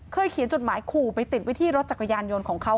เขียนจดหมายขู่ไปติดไว้ที่รถจักรยานยนต์ของเขา